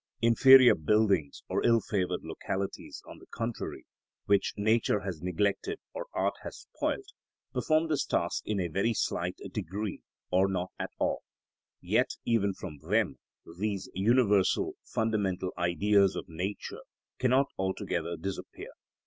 Inferior buildings or ill favoured localities, on the contrary, which nature has neglected or art has spoiled, perform this task in a very slight degree or not at all; yet even from them these universal, fundamental Ideas of nature cannot altogether disappear.